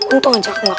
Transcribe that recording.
untuk menjaga keluar